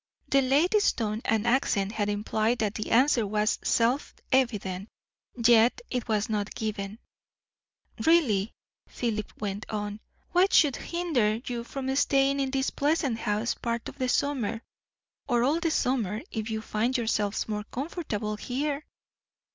The lady's tone and accent had implied that the answer was self evident; yet it was not given. "Really," Philip went on. "What should hinder you from staying in this pleasant house part of the summer, or all of the summer, if you find yourselves more comfortable here?"